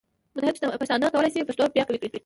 متحد پښتانه کولی شي پښتو بیا قوي کړي.